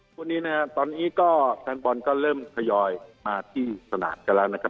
ช่วงนี้นะครับตอนนี้ก็แฟนบอลก็เริ่มทยอยมาที่สนามกันแล้วนะครับ